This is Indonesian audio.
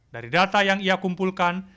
dari data yang ia kumpulkan